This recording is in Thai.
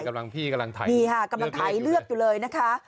กำลังพี่กำลังไถเลือกอยู่เลยนะคะ